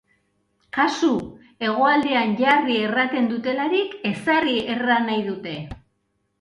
Kasu! Hegoaldean "jarri" erraten dutelarik "ezarri" erran nahi dute.